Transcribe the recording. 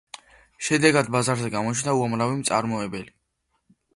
შედეგად, ბაზარზე გამოჩნდა უამრავი მწარმოებელი.